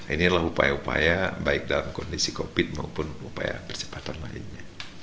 ini adalah upaya upaya baik dalam kondisi covid maupun upaya percepatan lainnya